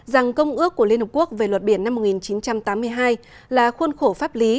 rằng công ước của liên hợp quốc về luật biển năm một nghìn chín trăm tám mươi hai là khuôn khổ pháp lý